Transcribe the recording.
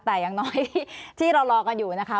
แต่อย่างน้อยที่เรารอกันอยู่นะคะ